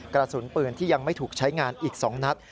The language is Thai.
กระสุนปืนที่ยังไม่ถูกใช้งานอีก๒นัด